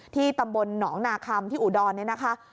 ที่ตำบลหนองนาคมที่อุดรนะคะ